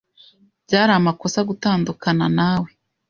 Byari amakosa gutandukana nawe.